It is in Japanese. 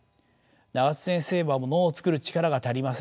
永田先生はものを作る力が足りません。